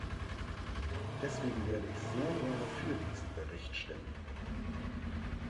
Deswegen werde ich sehr gerne für diesen Bericht stimmen.